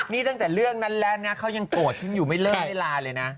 นี่ตั้งแต่เรื่องนั้นแล้วนะเขายังโกรธฉันอยู่ไม่เลิกไม่ลาเลยนะ